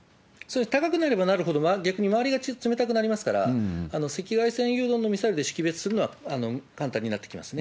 高くなればなるほど、逆に周りが冷たくなりますから、赤外線誘導のミサイルで識別するのは簡単になってきますね。